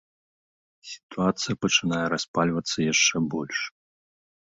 Сітуацыя пачынае распальвацца яшчэ больш.